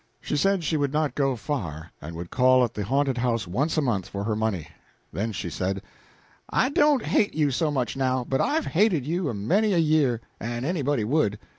She said she would not go far, and would call at the haunted house once a month for her money. Then she said "I don't hate you so much now, but I've hated you a many a year and anybody would.